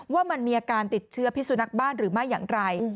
ว่ามันมีอาการติดเชื้อพิสุนักบ้านหรือไม่อย่างไร